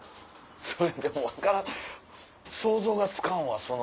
それでも想像がつかんわ。